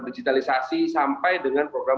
digitalisasi sampai dengan program